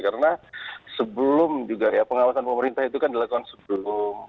karena sebelum juga ya pengawasan pemerintah itu kan dilakukan sebelum